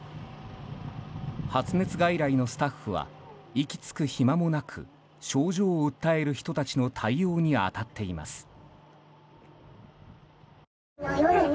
発熱外来のスタッフは息つく暇もなく症状を訴える人たちの対応に当たっています。